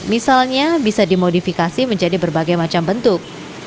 misalnya bisa dimodifikasi menjadi berbagai macam bentuk